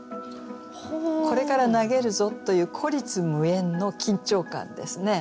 これから投げるぞという孤立無援の緊張感ですね。